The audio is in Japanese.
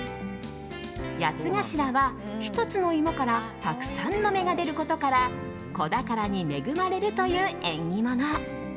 八ツ頭は１つの芋からたくさんの芽が出ることから子宝に恵まれるという縁起物。